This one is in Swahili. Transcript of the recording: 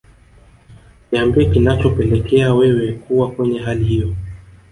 niambie kinachopelekea wewe kuwa kwenye hali hiyo